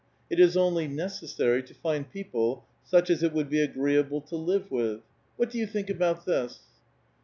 It is only necessary to find ^i:>«ople such as it would be agreeable to live with. What do ^"oo think about this